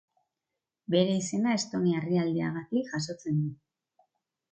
Bere izena Estonia herrialdeagatik jasotzen du.